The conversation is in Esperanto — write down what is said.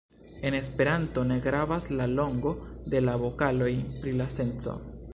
En Esperanto ne gravas la longo de la vokaloj pri la senco.